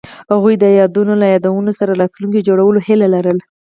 هغوی د یادونه له یادونو سره راتلونکی جوړولو هیله لرله.